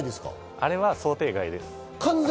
あれは想定外です。